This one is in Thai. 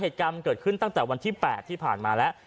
เหตุการณ์เกิดขึ้นตั้งแต่วันที่๘ที่ผ่านมาแล้ว